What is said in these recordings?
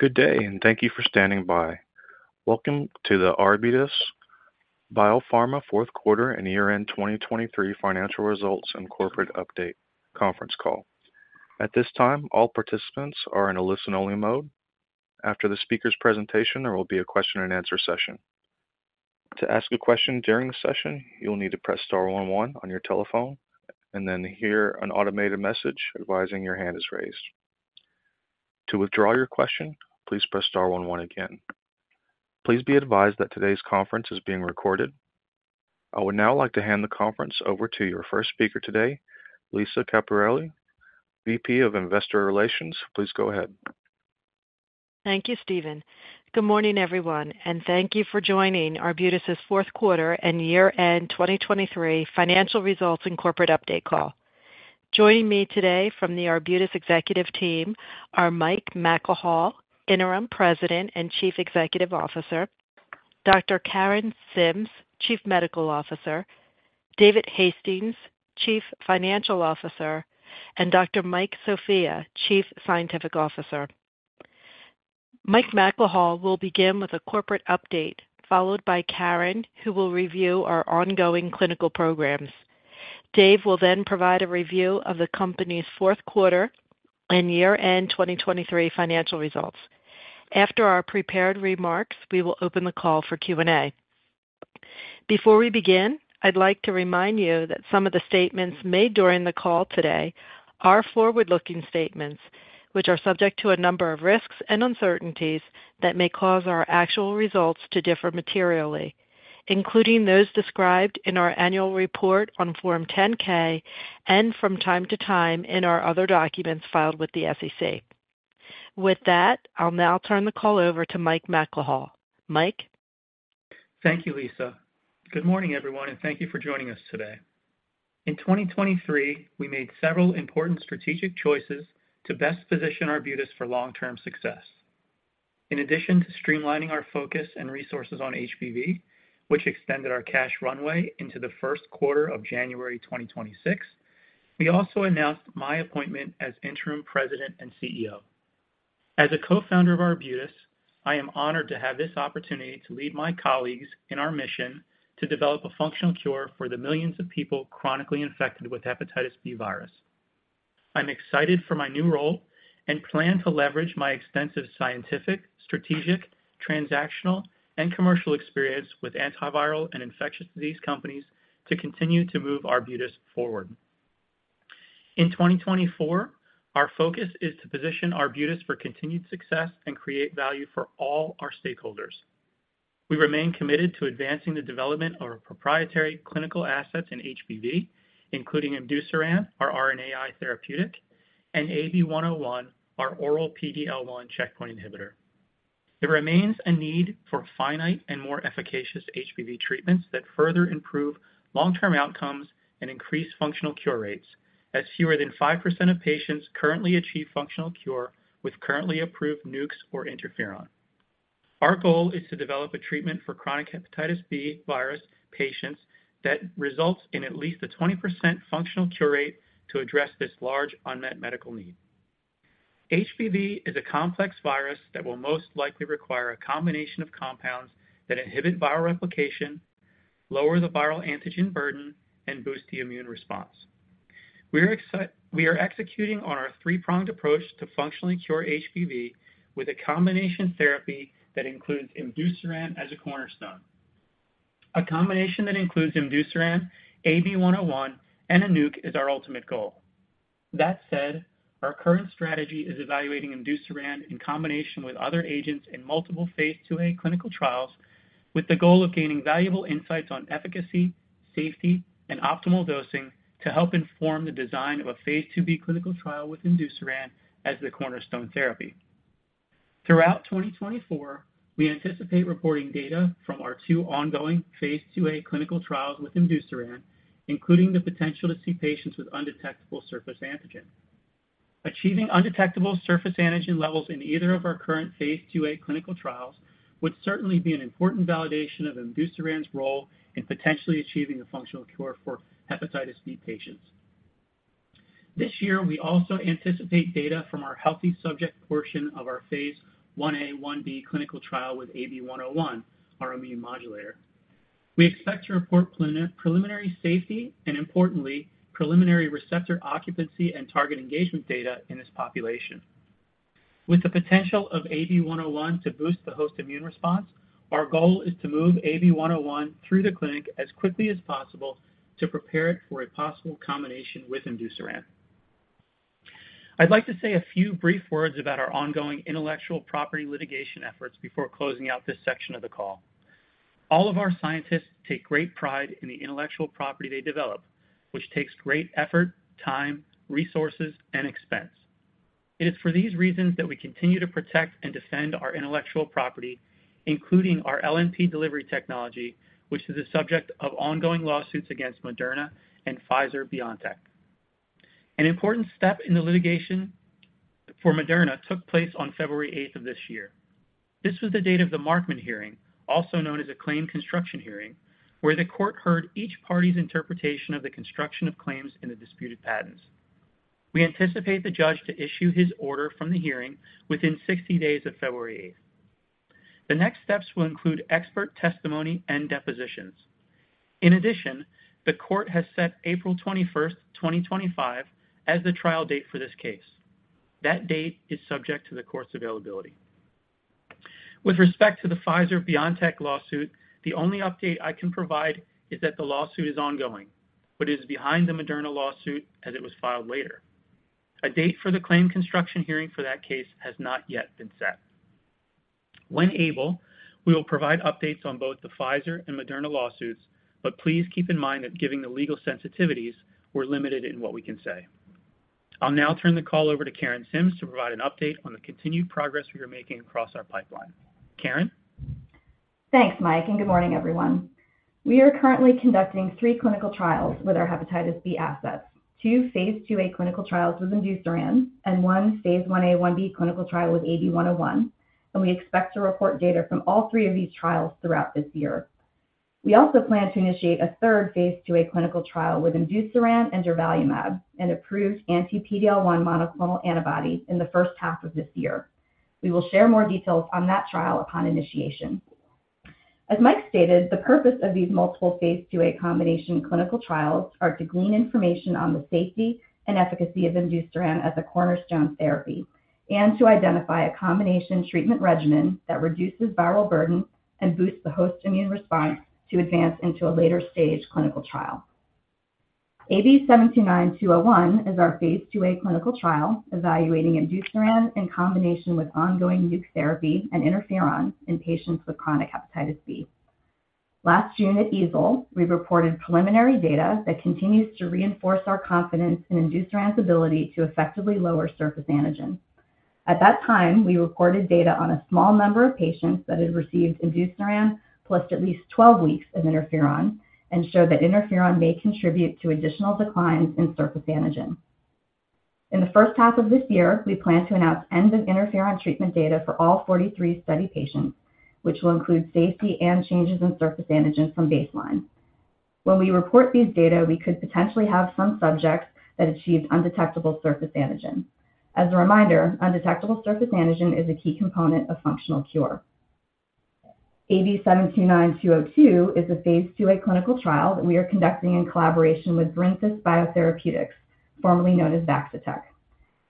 Good day, and thank you for standing by. Welcome to the Arbutus Biopharma Fourth Quarter and year-end 2023 financial results and corporate update conference call. At this time, all participants are in a listen-only mode. After the speaker's presentation, there will be a question-and-answer session. To ask a question during the session, you'll need to press star one one on your telephone and then hear an automated message advising your hand is raised. To withdraw your question, please press star one one again. Please be advised that today's conference is being recorded. I would now like to hand the conference over to your first speaker today, Lisa Caperelli, VP of Investor Relations. Please go ahead. Thank you, Steven. Good morning, everyone, and thank you for joining Arbutus' fourth quarter and year-end 2023 financial results and corporate update call. Joining me today from the Arbutus executive team are Mike McElhaugh, Interim President and Chief Executive Officer, Dr. Karen Sims, Chief Medical Officer, David Hastings, Chief Financial Officer, and Dr. Mike Sofia, Chief Scientific Officer. Mike McElhaugh will begin with a corporate update, followed by Karen, who will review our ongoing clinical programs. Dave will then provide a review of the company's fourth quarter and year-end 2023 financial results. After our prepared remarks, we will open the call for Q&A. Before we begin, I'd like to remind you that some of the statements made during the call today are forward-looking statements, which are subject to a number of risks and uncertainties that may cause our actual results to differ materially, including those described in our annual report on Form 10-K and from time to time in our other documents filed with the SEC. With that, I'll now turn the call over to Mike McElhaugh. Mike? Thank you, Lisa. Good morning, everyone, and thank you for joining us today. In 2023, we made several important strategic choices to best position Arbutus for long-term success. In addition to streamlining our focus and resources on HBV, which extended our cash runway into the first quarter or January of 2026, we also announced my appointment as interim President and CEO. As a co-founder of Arbutus, I am honored to have this opportunity to lead my colleagues in our mission to develop a functional cure for the millions of people chronically infected with hepatitis B virus. I'm excited for my new role and plan to leverage my extensive scientific, strategic, transactional, and commercial experience with antiviral and infectious disease companies to continue to move Arbutus forward. In 2024, our focus is to position Arbutus for continued success and create value for all our stakeholders. We remain committed to advancing the development of our proprietary clinical assets in HBV, including imdusiran, our RNAi therapeutic, and AB-101, our oral PD-L1 checkpoint inhibitor. There remains a need for finite and more efficacious HBV treatments that further improve long-term outcomes and increase functional cure rates, as fewer than 5% of patients currently achieve functional cure with currently approved NUCs or interferon. Our goal is to develop a treatment for chronic hepatitis B virus patients that results in at least a 20% functional cure rate to address this large unmet medical need. HBV is a complex virus that will most likely require a combination of compounds that inhibit viral replication, lower the viral antigen burden, and boost the immune response. We are executing on our three-pronged approach to functionally cure HBV with a combination therapy that includes imdusiran as a cornerstone. A combination that includes imdusiran, AB-101, and a NUC is our ultimate goal. That said, our current strategy is evaluating imdusiran in combination with other agents in multiple phase II-A clinical trials, with the goal of gaining valuable insights on efficacy, safety, and optimal dosing to help inform the design of a phase II-B clinical trial with imdusiran as the cornerstone therapy. Throughout 2024, we anticipate reporting data from our two ongoing phase II-A clinical trials with imdusiran, including the potential to see patients with undetectable surface antigen. Achieving undetectable surface antigen levels in either of our current phase II-A clinical trials would certainly be an important validation of imdusiran's role in potentially achieving a functional cure for hepatitis B patients. This year, we also anticipate data from our healthy subject portion of our phase I-A/I-B clinical trial with AB-101, our immune modulator. We expect to report preliminary safety and importantly, preliminary receptor occupancy and target engagement data in this population. With the potential of AB-101 to boost the host immune response, our goal is to move AB-101 through the clinic as quickly as possible to prepare it for a possible combination with imdusiran. I'd like to say a few brief words about our ongoing intellectual property litigation efforts before closing out this section of the call. All of our scientists take great pride in the intellectual property they develop, which takes great effort, time, resources, and expense. It is for these reasons that we continue to protect and defend our intellectual property, including our LNP delivery technology, which is the subject of ongoing lawsuits against Moderna and Pfizer-BioNTech. An important step in the litigation for Moderna took place on February 8 of this year. This was the date of the Markman hearing, also known as a claim construction hearing, where the court heard each party's interpretation of the construction of claims in the disputed patents. We anticipate the judge to issue his order from the hearing within 60 days of February 8. The next steps will include expert testimony and depositions. In addition, the court has set April 21, 2025, as the trial date for this case. That date is subject to the court's availability. With respect to the Pfizer-BioNTech lawsuit, the only update I can provide is that the lawsuit is ongoing, but is behind the Moderna lawsuit as it was filed later. A date for the claim construction hearing for that case has not yet been set. When able, we will provide updates on both the Pfizer and Moderna lawsuits, but please keep in mind that given the legal sensitivities, we're limited in what we can say. I'll now turn the call over to Karen Sims to provide an update on the continued progress we are making across our pipeline. Karen? Thanks, Mike, and good morning, everyone. We are currently conducting three clinical trials with our hepatitis B assets, two phase II-A clinical trials with imdusiran and one phase I-A/I-B clinical trial with AB-101, and we expect to report data from all three of these trials throughout this year. We also plan to initiate a third phase II-A clinical trial with imdusiran and durvalumab, an approved anti-PD-L1 monoclonal antibody, in the first half of this year. We will share more details on that trial upon initiation. As Mike stated, the purpose of these multiple phase II-A combination clinical trials are to glean information on the safety and efficacy of imdusiran as a cornerstone therapy, and to identify a combination treatment regimen that reduces viral burden and boosts the host immune response to advance into a later stage clinical trial. AB-729-201 is our phase II-A clinical trial evaluating imdusiran in combination with ongoing NUC therapy and interferon in patients with chronic hepatitis B. Last June at EASL, we reported preliminary data that continues to reinforce our confidence in imdusiran's ability to effectively lower surface antigen. At that time, we reported data on a small number of patients that had received imdusiran plus at least 12 weeks of interferon and showed that interferon may contribute to additional declines in surface antigen. In the first half of this year, we plan to announce end of interferon treatment data for all 43 study patients, which will include safety and changes in surface antigen from baseline. When we report these data, we could potentially have some subjects that achieved undetectable surface antigen. As a reminder, undetectable surface antigen is a key component of functional cure. AB-729-202 is a phase II-A clinical trial that we are conducting in collaboration with Barinthus Biotherapeutics, formerly known as Vaccitech.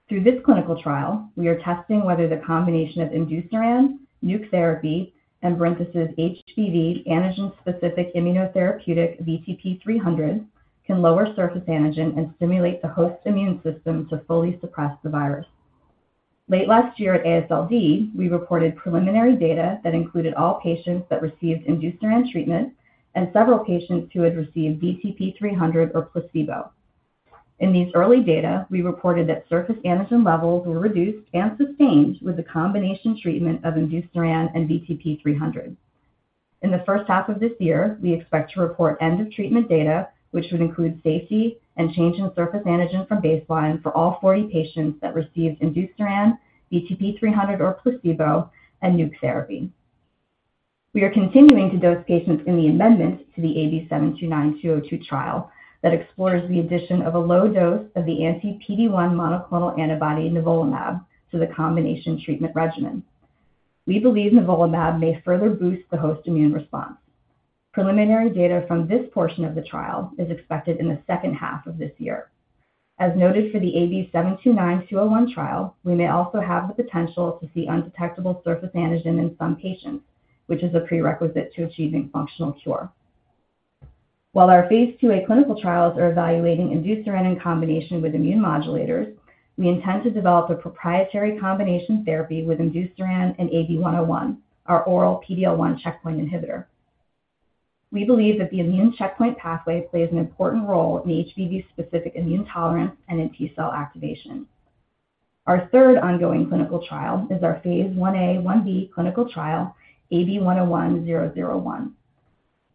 Through this clinical trial, we are testing whether the combination of imdusiran, NUC therapy, and Barinthus' HBV antigen-specific immunotherapeutic, VTP-300, can lower surface antigen and stimulate the host immune system to fully suppress the virus. Late last year at AASLD, we reported preliminary data that included all patients that received imdusiran treatment and several patients who had received VTP-300 or placebo. In these early data, we reported that surface antigen levels were reduced and sustained with a combination treatment of imdusiran and VTP-300. In the first half of this year, we expect to report end of treatment data, which would include safety and change in surface antigen from baseline for all 40 patients that received imdusiran, VTP-300 or placebo, and NUC therapy. We are continuing to dose patients in the amendment to the AB-729-202 trial that explores the addition of a low dose of the anti-PD-1 monoclonal antibody nivolumab to the combination treatment regimen. We believe nivolumab may further boost the host immune response. Preliminary data from this portion of the trial is expected in the second half of this year. As noted for the AB-729-201 trial, we may also have the potential to see undetectable surface antigen in some patients, which is a prerequisite to achieving functional cure. While our phase II-A clinical trials are evaluating imdusiran in combination with immune modulators, we intend to develop a proprietary combination therapy with imdusiran and AB-101, our oral PD-L1 checkpoint inhibitor. We believe that the immune checkpoint pathway plays an important role in HBV-specific immune tolerance and in T-cell activation. Our third ongoing clinical trial is our phase I-A/I-B clinical trial, AB-101-001.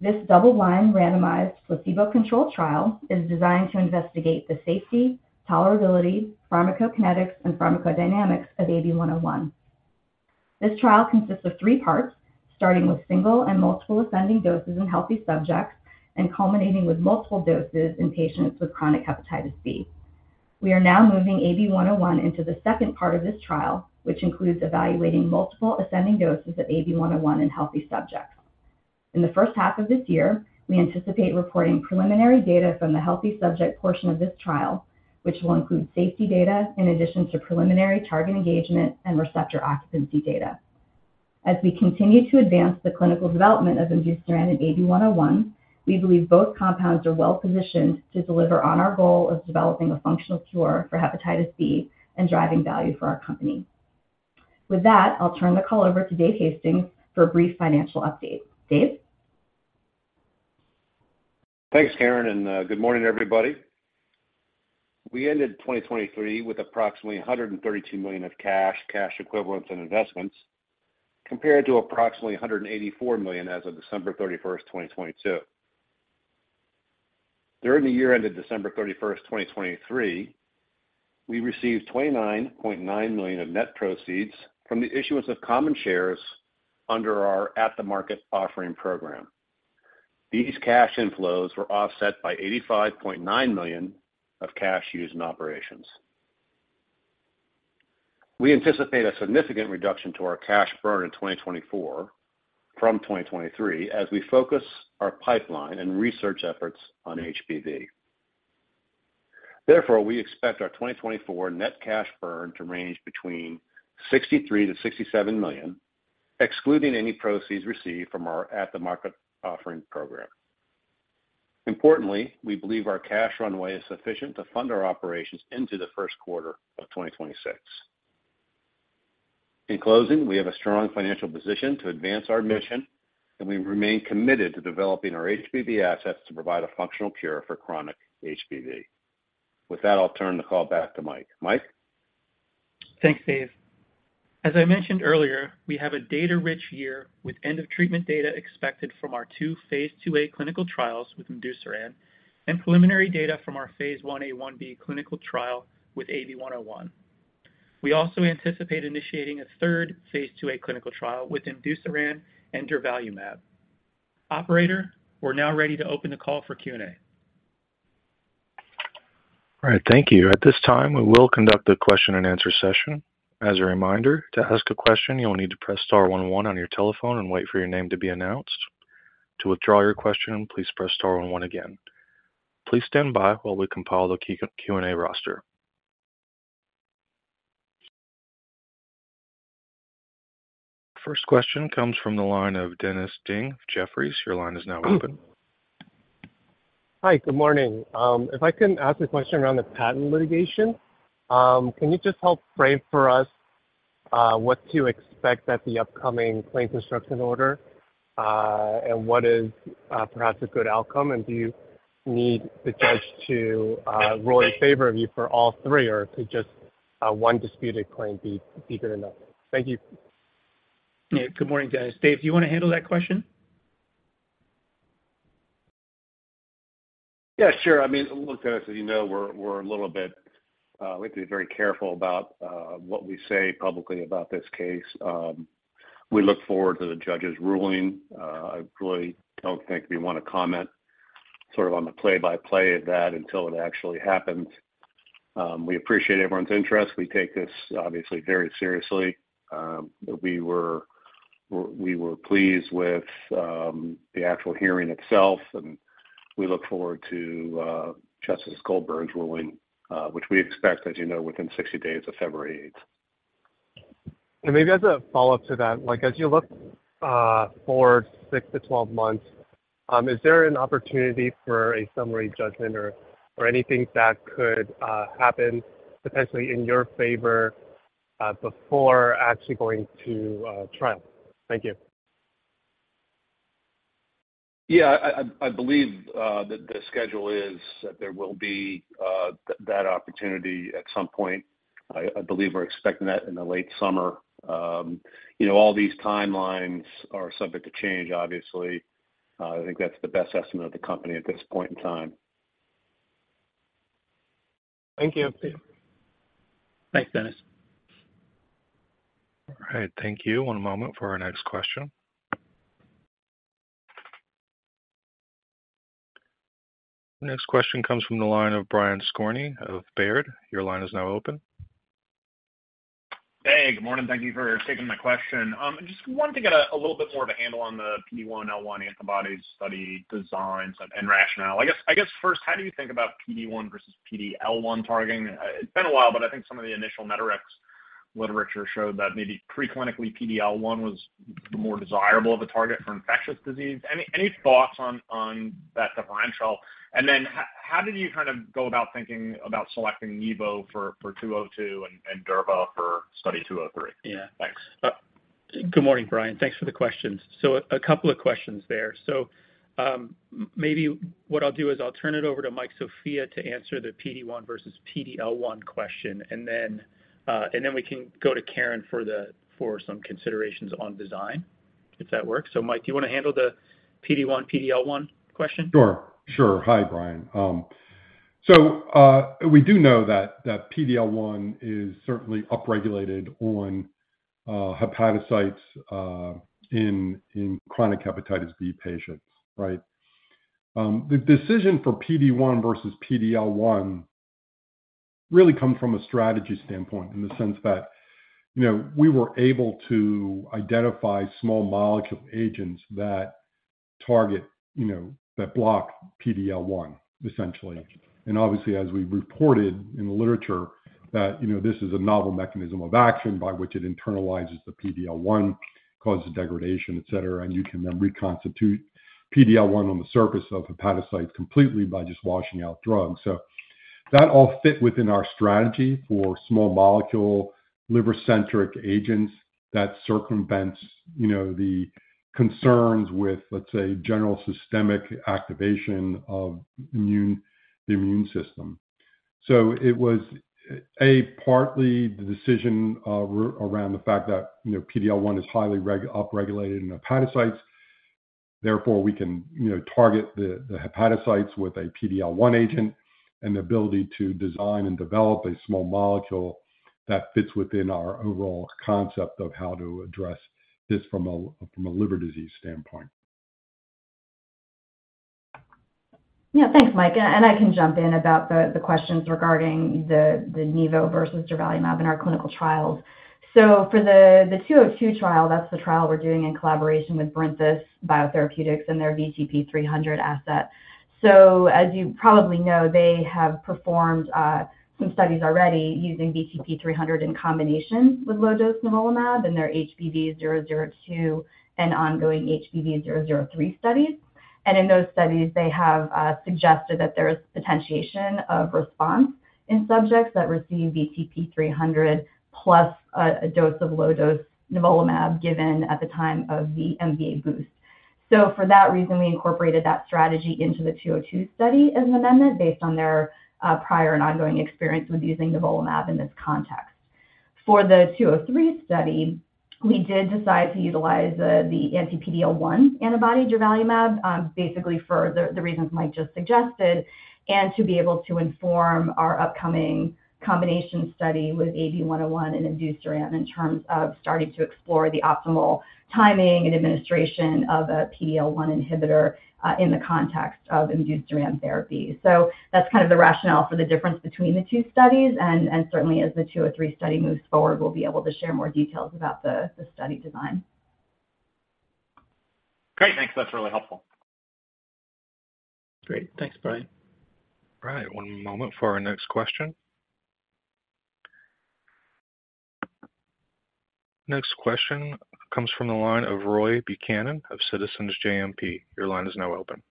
This double-blind, randomized, placebo-controlled trial is designed to investigate the safety, tolerability, pharmacokinetics, and pharmacodynamics of AB-101. This trial consists of three parts, starting with single and multiple ascending doses in healthy subjects and culminating with multiple doses in patients with chronic hepatitis B. We are now moving AB-101 into the second part of this trial, which includes evaluating multiple ascending doses of AB-101 in healthy subjects. In the first half of this year, we anticipate reporting preliminary data from the healthy subject portion of this trial, which will include safety data in addition to preliminary target engagement and receptor occupancy data. As we continue to advance the clinical development of imdusiran and AB-101, we believe both compounds are well positioned to deliver on our goal of developing a functional cure for hepatitis B and driving value for our company. With that, I'll turn the call over to Dave Hastings for a brief financial update. Dave? Thanks, Karen, and good morning, everybody. We ended 2023 with approximately $132 million of cash, cash equivalents, and investments, compared to approximately $184 million as of December 31, 2022. During the year ended December 31, 2023, we received $29.9 million of net proceeds from the issuance of common shares under our at-the-market offering program. These cash inflows were offset by $85.9 million of cash used in operations. We anticipate a significant reduction to our cash burn in 2024 from 2023 as we focus our pipeline and research efforts on HBV. Therefore, we expect our 2024 net cash burn to range between $63 million-$67 million, excluding any proceeds received from our at-the-market offering program. Importantly, we believe our cash runway is sufficient to fund our operations into the first quarter of 2026. In closing, we have a strong financial position to advance our mission, and we remain committed to developing our HBV assets to provide a functional cure for chronic HBV. With that, I'll turn the call back to Mike. Mike? Thanks, Dave. As I mentioned earlier, we have a data-rich year, with end-of-treatment data expected from our two phase II-A clinical trials with imdusiran and preliminary data from our phase I-A/I-B clinical trial with AB-101. We also anticipate initiating a third phase II-A clinical trial with imdusiran and durvalumab. Operator, we're now ready to open the call for Q&A. All right, thank you. At this time, we will conduct a question-and-answer session. As a reminder, to ask a question, you will need to press star one on your telephone and wait for your name to be announced. To withdraw your question, please press star one again. Please stand by while we compile the Q&A roster. First question comes from the line of Dennis Ding, Jefferies. Your line is now open. Hi, good morning. If I can ask a question around the patent litigation. Can you just help frame for us what to expect at the upcoming claim construction order? What is perhaps a good outcome, and do you need the judge to rule in favor of you for all three, or could just one disputed claim be good enough? Thank you. Yeah. Good morning, Dennis. Dave, do you want to handle that question? Yeah, sure. I mean, look, Dennis, as you know, we're a little bit, we have to be very careful about what we say publicly about this case. We look forward to the judge's ruling. I really don't think we want to comment sort of on the play-by-play of that until it actually happens. We appreciate everyone's interest. We take this, obviously, very seriously. We were pleased with the actual hearing itself, and we look forward to Justice Goldberg's ruling, which we expect, as you know, within 60 days of February eighth. Maybe as a follow-up to that, like, as you look for 6 months-12 months, is there an opportunity for a summary judgment or anything that could happen potentially in your favor before actually going to trial? Thank you. Yeah, I believe that the schedule is that there will be that opportunity at some point. I believe we're expecting that in the late summer. You know, all these timelines are subject to change, obviously. I think that's the best estimate of the company at this point in time. Thank you. Thanks, Dennis. All right, thank you. One moment for our next question. The next question comes from the line of Brian Skorney of Baird. Your line is now open. Hey, good morning. Thank you for taking my question. I just wanted to get a little bit more of a handle on the PD-1/PD-L1 antibodies study designs and rationale. I guess first, how do you think about PD-1 versus PD-L1 targeting? It's been a while, but I think some of the initial Merck's literature showed that maybe preclinically, PD-L1 was the more desirable of a target for infectious disease. Any thoughts on that differential? Then how did you kind of go about thinking about selecting nivolumab for 202 and durvalumab for study 203? Yeah. Thanks. Good morning, Brian. Thanks for the questions. A couple of questions there. Maybe what I'll do is I'll turn it over to Mike Sofia to answer the PD-1 versus PD-L1 question, and then, and then we can go to Karen for some considerations on design, if that works. Mike, do you want to handle the PD-1, PD-L1 question? Sure, sure. Hi, Brian. We do know that PD-L1 is certainly upregulated on hepatocytes in chronic hepatitis B patients, right? The decision for PD-1 versus PD-L1 really come from a strategy standpoint, in the sense that, you know, we were able to identify small molecule agents that target, you know, that block PD-L1, essentially. Obviously, as we reported in the literature, that, you know, this is a novel mechanism of action by which it internalizes the PD-L1, causes degradation, et cetera, and you can then reconstitute PD-L1 on the surface of hepatocytes completely by just washing out drugs. That all fit within our strategy for small-molecule, liver-centric agents that circumvents, you know, the concerns with, let's say, general systemic activation of immune, the immune system. It was, a, partly the decision around the fact that, you know, PD-L1 is highly upregulated in hepatocytes. Therefore, we can, you know, target the hepatocytes with a PD-L1 agent, and the ability to design and develop a small molecule that fits within our overall concept of how to address this from a liver disease standpoint. Yeah, thanks, Mike. I can jump in about the questions regarding the nivo versus durvalumab in our clinical trials. For the 202 trial, that's the trial we're doing in collaboration with Barinthus Biotherapeutics and their VTP-300 asset. As you probably know, they have performed some studies already using VTP-300 in combination with low-dose nivolumab and their HBV002 and ongoing HBV003 studies. In those studies, they have suggested that there is potentiation of response in subjects that receive VTP-300 plus a dose of low-dose nivolumab given at the time of the MVA boost. For that reason, we incorporated that strategy into the 202 study as an amendment, based on their prior and ongoing experience with using nivolumab in this context. For the 203 study, we did decide to utilize the anti-PD-L1 antibody, durvalumab, basically for the reasons Mike just suggested, and to be able to inform our upcoming combination study with AB-101 and imdusiran in terms of starting to explore the optimal timing and administration of a PD-L1 inhibitor in the context of imdusiran therapy. That's kind of the rationale for the difference between the two studies, and certainly as the 203 study moves forward, we'll be able to share more details about the study design. Great, thanks. That's really helpful. Great. Thanks, Brian. All right, one moment for our next question. Next question comes from the line of Roy Buchanan of Citizens JMP. Your line is now open.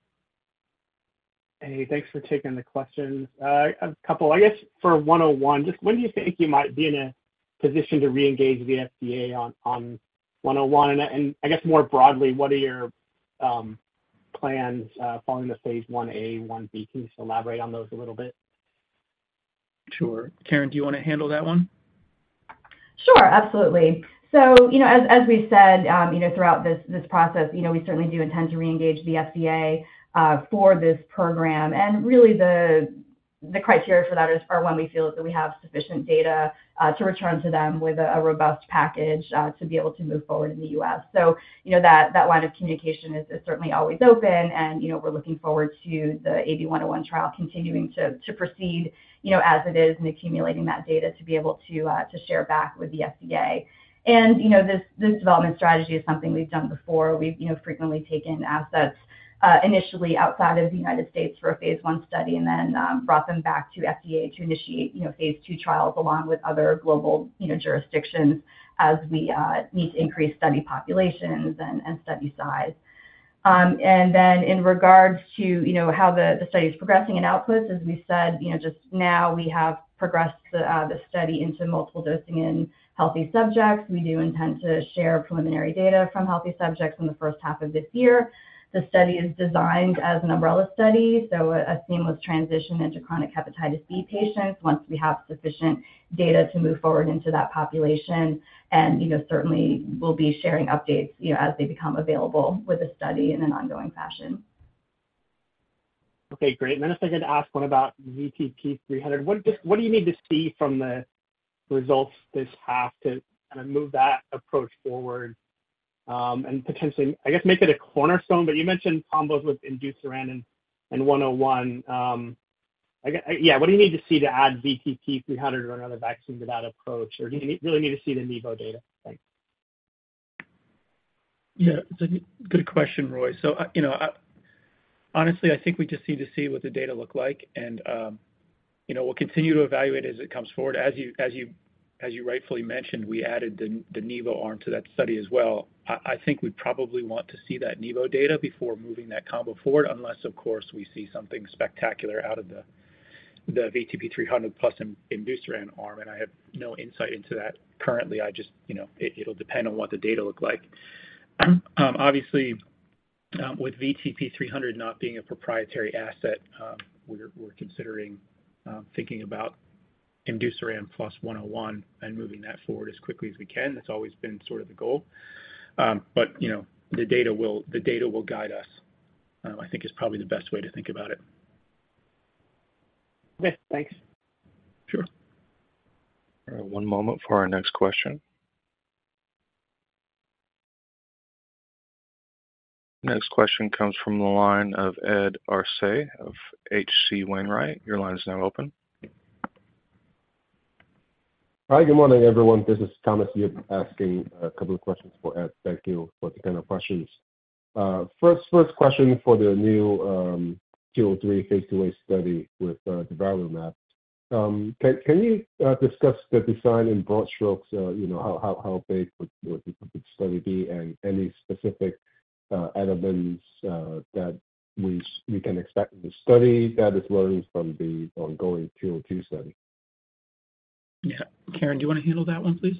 Hey, thanks for taking the question. A couple, I guess, for 101, just when do you think you might be in a position to reengage the FDA on 101? I guess more broadly, what are your plans following the phase I-A/I-B? Can you elaborate on those a little bit? Sure. Karen, do you want to handle that one? Sure, absolutely. You know, as we said, you know, throughout this process, you know, we certainly do intend to reengage the FDA for this program. Really, the criteria for that is, are when we feel that we have sufficient data to return to them with a robust package to be able to move forward in the U.S. You know, that line of communication is certainly always open, and, we're looking forward to the AB-101 trial continuing to proceed, you know, as it is, and accumulating that data to be able to share back with the FDA. You know, this development strategy is something we've done before. We've, you know, frequently taken assets initially outside of the United States for a phase I study and then brought them back to FDA to initiate, you know, phase II trials along with other global, you know, jurisdictions as we need to increase study populations and study size. Then in regards to, you know, how the study is progressing in outputs, as we said, you know, just now we have progressed the study into multiple dosing in healthy subjects. We do intend to share preliminary data from healthy subjects in the first half of this year. The study is designed as an umbrella study, so a seamless transition into chronic hepatitis B patients once we have sufficient data to move forward into that population. you know, certainly we'll be sharing updates, you know, as they become available with the study in an ongoing fashion. Okay, great. Then if I could ask, what about VTP-300? What do you need to see from the results this half to kind of move that approach forward, and potentially, I guess, make it a cornerstone? You mentioned combos with imdusiran and AB-101, yeah, what do you need to see to add VTP-300 or another vaccine to that approach? Or do you really need to see the nivolumab data? Thanks. Yeah, it's a good question, Roy. You know, honestly, I think we just need to see what the data look like, and, you know, we'll continue to evaluate as it comes forward. As you rightfully mentioned, we added the nivo arm to that study as well. I think we probably want to see that nivo data before moving that combo forward, unless, of course, we see something spectacular out of the VTP-300 plus imdusiran arm, and I have no insight into that. Currently, I just, you know, it'll depend on what the data look like. Obviously, with VTP-300 not being a proprietary asset, we're considering thinking about imdusiran plus 101 and moving that forward as quickly as we can. That's always been sort of the goal. You know, the data will guide us, I think is probably the best way to think about it. Okay, thanks. Sure. All right, one moment for our next question. Next question comes from the line of Ed Arce of H.C. Wainwright. Your line is now open. Hi, good morning, everyone. This is Thomas Yip asking a couple of questions for Ed. Thank you for the kind questions. First question for the new 203 phase II-A study with durvalumab. Can you discuss the design in broad strokes, you know, how big would the study be and any specific elements that we can expect in the study that is learning from the ongoing 202 study? Yeah. Karen, do you want to handle that one, please?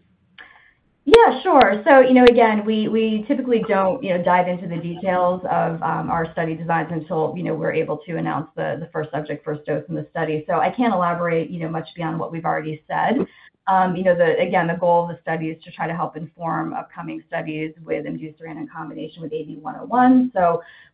Yeah, sure. You know, again, we typically don't, you know, dive into the details of our study designs until, you know, we're able to announce the first subject, first dose in the study. I can't elaborate, you know, much beyond what we've already said. You know, again, the goal of the study is to try to help inform upcoming studies with imdusiran in combination with AB-101.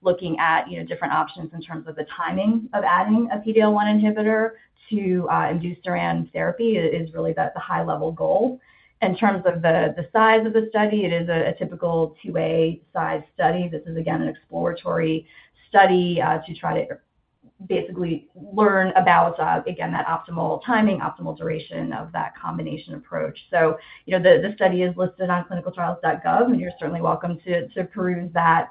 Looking at, you know, different options in terms of the timing of adding a PD-L1 inhibitor to imdusiran therapy is really the high level goal. In terms of the size of the study, it is a typical two-way size study. This is, again, an exploratory study to try to basically learn about, again, that optimal timing, optimal duration of that combination approach. The study is listed on ClinicalTrials.gov, and you're certainly welcome to peruse that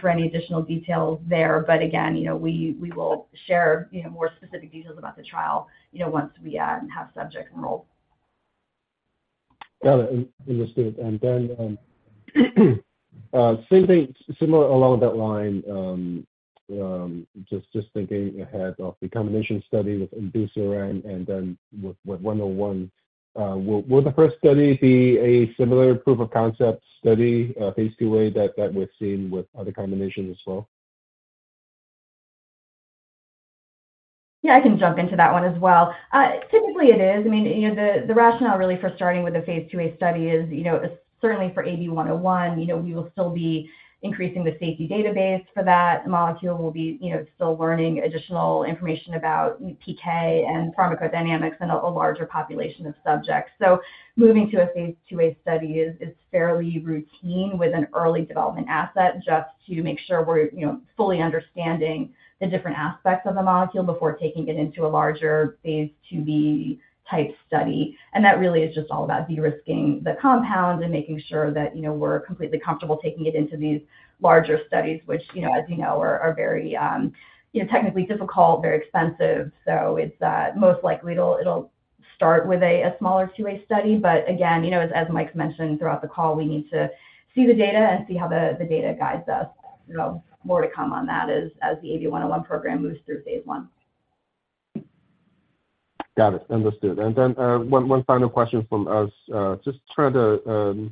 for any additional details there. Again, you know, we will share, you know, more specific details about the trial, you know, once we have subject enrolled. Got it. Understood. Then, same thing, similar along that line, just thinking ahead of the combination study with imdusiran and then with 101. Will the first study be a similar proof of concept study, phase II-A, that we've seen with other combinations as well? Yeah, I can jump into that one as well. Typically, it is. I mean, you know, the rationale really for starting with a phase II-A study is, you know, certainly for AB-101, you know, we will still be increasing the safety database for that molecule. We'll be, you know, still learning additional information about PK and pharmacodynamics in a larger population of subjects. Moving to a phase II-A study is fairly routine with an early development asset, just to make sure we're, you know, fully understanding the different aspects of the molecule before taking it into a larger phase II-B type study. That really is just all about de-risking the compound and making sure that, you know, we're completely comfortable taking it into these larger studies, which, you know, as you know, are very technically difficult, very expensive. It's most likely it'll start with a smaller II-A study. Again, you know, as Mike mentioned throughout the call, we need to see the data and see how the data guides us. You know, more to come on that as the AB-101 program moves through phase I. Got it. Understood. Then, one final question from us. Just try to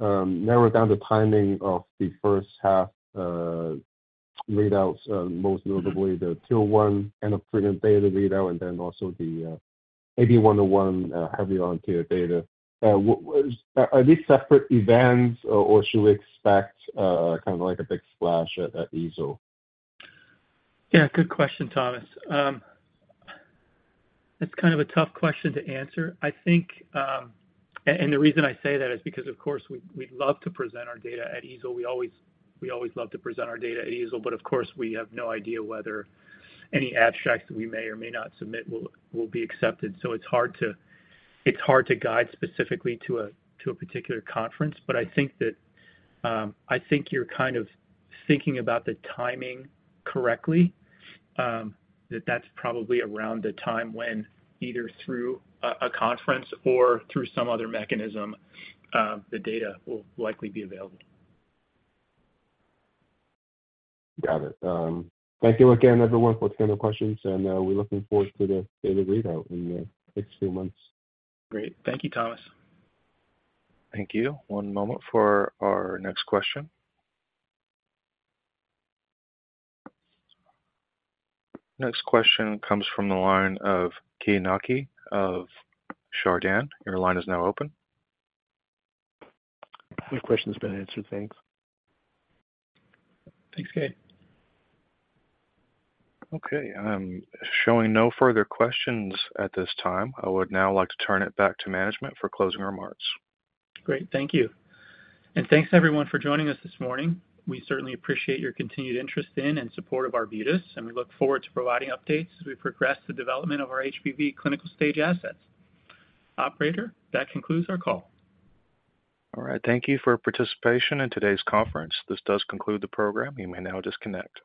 narrow down the timing of the first half readouts, most notably the 101 end of treatment data readout, and then also the AB-101 healthy volunteer data. Are these separate events, or should we expect kind of like a big splash at EASL? Yeah, good question, Thomas. That's kind of a tough question to answer. I think, the reason I say that is because, of course, we'd love to present our data at EASL. We always love to present our data at EASL, but of course, we have no idea whether any abstracts we may or may not submit will be accepted. It's hard to guide specifically to a particular conference. I think you're kind of thinking about the timing correctly, that that's probably around the time when either through a conference or through some other mechanism, the data will likely be available. Got it. Thank you again, everyone, for the questions, and we're looking forward to the data readout in the next two months. Great. Thank you, Thomas. Thank you. One moment for our next question. Next question comes from the line of Keay Nakae of Chardan. Your line is now open. My question's been answered. Thanks. Thanks, Keay. Okay, I'm showing no further questions at this time. I would now like to turn it back to management for closing remarks. Great. Thank you. Thanks, everyone, for joining us this morning. We certainly appreciate your continued interest in and support of Arbutus, and we look forward to providing updates as we progress the development of our HBV clinical stage assets. Operator, that concludes our call. All right. Thank you for your participation in today's conference. This does conclude the program. You may now disconnect.